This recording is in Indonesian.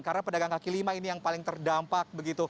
karena pedagang kaki lima ini yang paling terdampak begitu